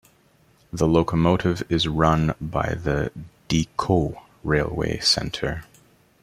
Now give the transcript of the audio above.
The locomotive is run by the Didcot Railway Centre.